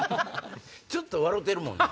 ちょっと笑てるもんな。